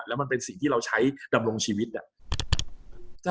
แล้วมันเป็นสิ่งที่เราใช้ดำรงชีวิตอะ